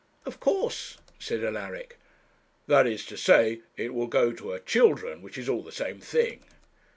'Of course,' said Alaric. 'That is to say it will go to her children, which is all the same thing.'